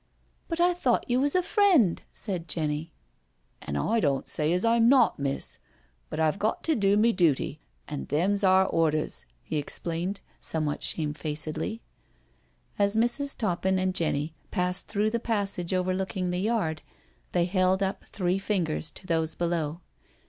" But I thought you was a friend?" said Jenny. " An' I don't say as I'm not, miss. But I've got to do my dooty, and them's our orders," he explained, somewhat shamefacedly. As Mrs. Toppin and Jenny passed through the passage overlooking the yard, they held up three fingers to those below.